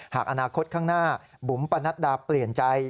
หากอนาคตข้างหน้าบุ๋มปนัดดาเปลี่ยนใจ